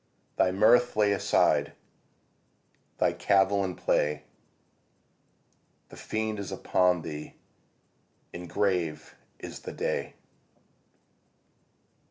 Thy mirth lay aside, Thy cavil and play; The fiend is upon thee And grave is the day.